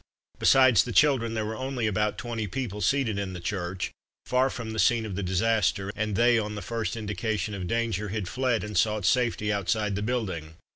Beside the children, there were only about twenty people seated in the church, far from the scene of the disaster, and they, on the first indication of danger, had fled and sought safety outside the building.